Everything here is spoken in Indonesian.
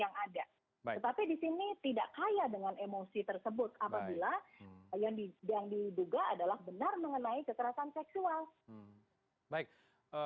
yang diduga adalah benar mengenai keterasan seksual